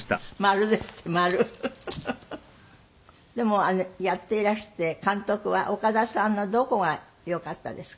でもやっていらして監督は岡田さんのどこが良かったですか？